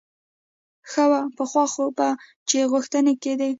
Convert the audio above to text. ښه وه پخوا خو به چې غوښتنې کېدې.